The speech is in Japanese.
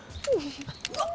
うわっ！